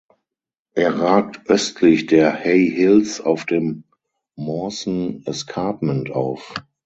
Er ragt östlich der Hay Hills auf dem Mawson Escarpment auf.